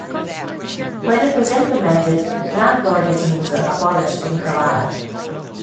When it was implemented, landlordism was abolished in Kerala.